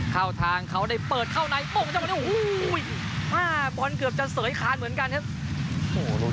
เข้าทางเขาได้เปิดเข้าในป้งจังหวะนี้โอ้โห๕บอลเกือบจะเสยคานเหมือนกันครับ